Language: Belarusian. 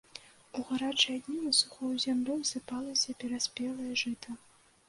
У гарачыя дні на сухую зямлю асыпалася пераспелае жыта.